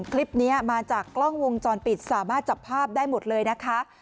คลิปนี้มาจากกล้องวงจรปิดสามารถจับภาพได้หมดเลยนะคะ